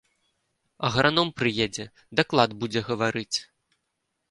Аграном прыедзе, даклад будзе гаварыць.